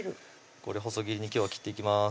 これ細切りに今日は切っていきます